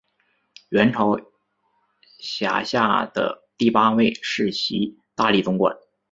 元朝辖下的第八位世袭大理总管。